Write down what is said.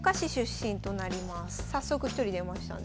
早速１人出ましたね。